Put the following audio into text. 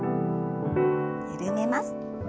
緩めます。